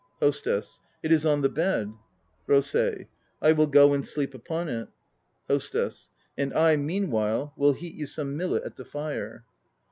HOSTESS. It is on the bed. ROSEI. I will go and sleep upon it. HOSTESS. And I meanwhile will heat you some millet at the fire.